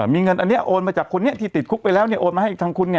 มีเงินอันนี้โอนมาจากคนนี้ที่ติดคุกไปแล้วโอนมาให้ทางคุณ